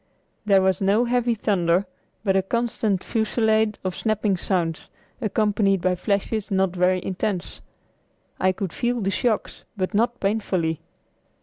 There was no heavy thunder, but a constant fusillade of snapping sounds, accompanied by flashes not very intense. I could feel the shocks, but not painfully.